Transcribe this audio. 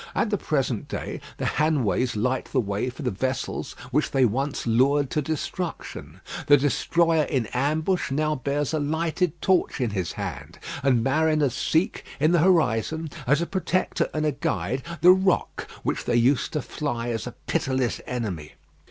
At the present day, the Hanways light the way for the vessels which they once lured to destruction; the destroyer in ambush now bears a lighted torch in his hand; and mariners seek in the horizon, as a protector and a guide, the rock which they used to fly as a pitiless enemy.